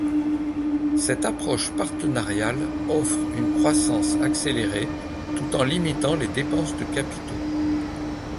Cette approche partenariale offre une croissance accélérée tout en limitant les dépenses de capitaux.